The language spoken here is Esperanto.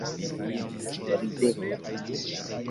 Ridetas